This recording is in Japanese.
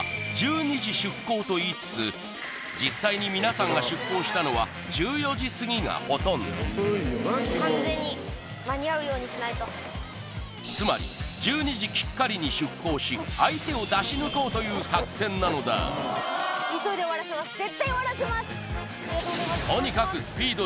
島１２時出航と言いつつ実際に皆さんが出航したのは１４時すぎがほとんど完全につまり１２時きっかりに出航し相手を出し抜こうという作戦なのだいやっ